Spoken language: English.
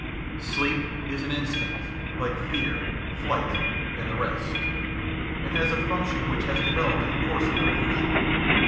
Sleep is an in stinct like fear, flight, and the rest, and has a function which has developed in the course of evolution.